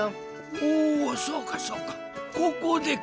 おおそうかそうかここでか。